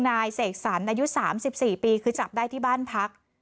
นายเสกสรรอายุสามสิบสี่ปีคือจับได้ที่บ้านพัก